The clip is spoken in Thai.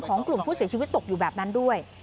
ของกลุ่มผู้เสียชีวิตตกอยู่แบบนั้นด้วย